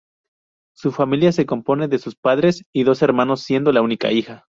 Su familia se compone de sus padres y dos hermanos, siendo la única hija.